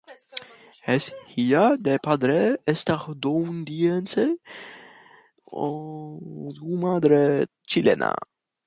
Es hija de padre estadounidense y madre chilena.